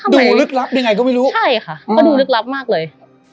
ดูลึกลับยังไงก็ไม่รู้ถ้าไม่ดีใช่ค่ะดูลึกลับมากเลย